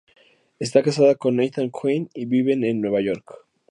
Está casada con Ethan Coen y viven en Nueva York.